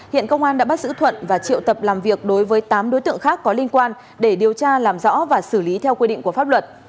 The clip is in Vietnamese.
hiện công an đã bắt giữ thuận và triệu tập làm việc đối với tám đối tượng khác có liên quan để điều tra làm rõ và xử lý theo quy định của pháp luật